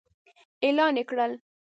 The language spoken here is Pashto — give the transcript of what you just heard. اعلان يې کړل.